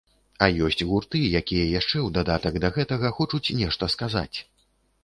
А ёсць гурты, якія яшчэ, у дадатак да гэтага, хочуць нешта сказаць.